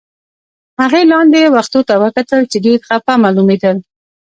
هغې لاندې و ختو ته وکتل، چې ډېر خپه معلومېدل.